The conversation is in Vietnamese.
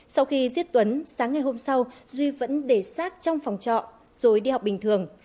sau khi giết tuấn sáng ngày hôm sau duy vẫn để sát trong phòng trọ rồi đi học bình thường